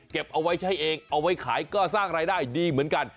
เอาไว้ใช้เองเอาไว้ขายก็สร้างรายได้ดีเหมือนกัน